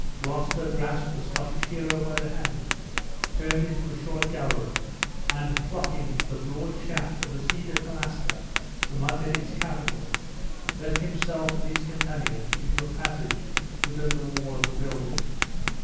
Gloucester grasped the Scottish hero by the hand, turned into a short gallery, and, plucking the broad shaft of a cedar pilaster from under its capital, let himself and his companion into a passage within the wall of the building.